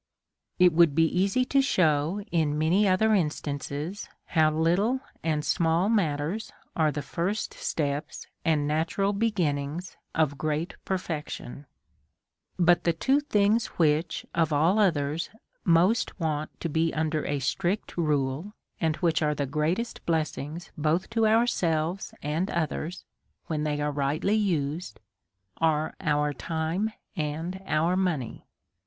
It would be easy to shew, in many other instances, how little and small matters are the first steps and na tural beginnings of great perfections. But the two things which of all others most want to be under a strict rule, and which are the greatest; blessings both to ourselves and others, when they ai e rightly used, are our time and our money.